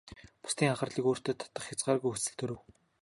Бусдын анхаарлыг өөртөө татах хязгааргүй хүсэл төрөв.